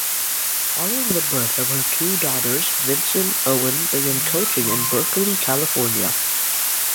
Following the birth of her two daughters, Vinson-Owen began coaching in Berkeley, California.